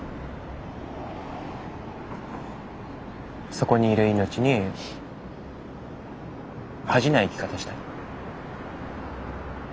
そこにいる命に恥じない生き方したい。